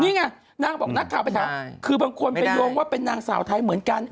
นี่ไงนางบอกนักข่าวไปถามคือบางคนไปโยงว่าเป็นนางสาวไทยเหมือนกัน